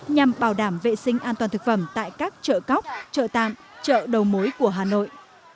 nhằm bảo đảm vệ sinh an toàn thực phẩm tại các chợ cóc chợ tạm chợ đầu mối của hà nội